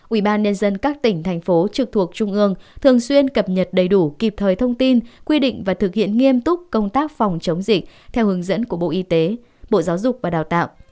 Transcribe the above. ủy ban nhân dân các tỉnh thành phố trực thuộc trung ương thường xuyên cập nhật đầy đủ kịp thời thông tin quy định và thực hiện nghiêm túc công tác phòng chống dịch theo hướng dẫn của bộ y tế bộ giáo dục và đào tạo